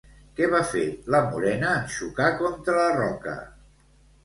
Què va fer la morena en xocar contra la roca?